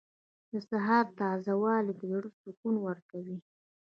• د سهار تازه والی د زړه سکون ورکوي.